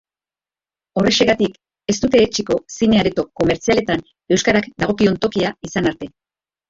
Horrexegatik, ez dute etsiko zine-areto komertzialetan euskarak dagokion tokia izan arte.